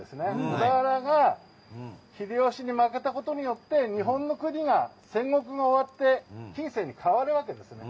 小田原が秀吉に負けたことによって日本の国が戦国が終わって近世に変わるわけですね。